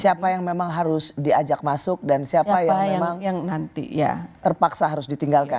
siapa yang memang harus diajak masuk dan siapa yang memang nanti ya terpaksa harus ditinggalkan